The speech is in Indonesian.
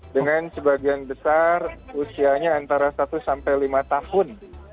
dengan sebagian besar usianya antara satu sampai lima tahun